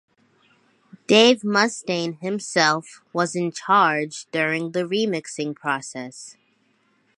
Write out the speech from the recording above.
Dave Mustaine himself was in charge during the remixing process.